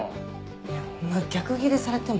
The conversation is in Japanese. いや逆ギレされても。